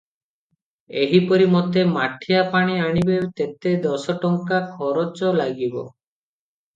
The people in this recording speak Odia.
ଏହିପରି ଯେତେ ମାଠିଆ ପାଣି ଆଣିବେ, ତେତେ ଦଶ ଟଙ୍କା ଖରଚ ଲାଗିବ ।